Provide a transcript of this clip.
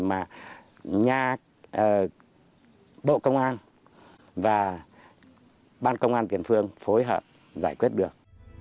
mà nhà bộ công an và ban công an tiền phương phối hợp giải quyết được